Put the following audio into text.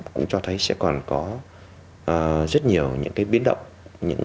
hai nghìn một mươi tám cũng cho thấy sẽ còn có rất nhiều những biến đổi